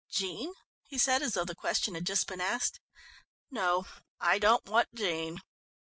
"Jean?" he said, as though the question had just been asked. "No, I don't want Jean.